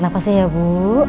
ibu pasti bisa ya ibu